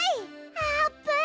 あーぷん！